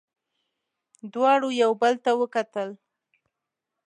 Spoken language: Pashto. دواړو یو بل ته وکتل.